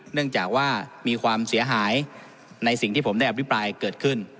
เนื่องจากว่ามีความเสียหายในสิ่งที่ผมได้อภิปรายเกิดขึ้น